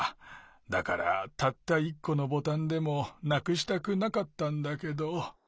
だからたった１このボタンでもなくしたくなかったんだけど。